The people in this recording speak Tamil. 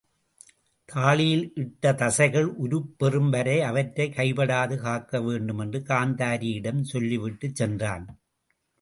தாழியில் இட்ட தசைகள் உருப்பெறும் வரை அவற்றைக் கைபடாது காக்க வேண்டும் என்ற காந்தாரி யிடம் சொல்லிவிட்டுச் சென்றான்.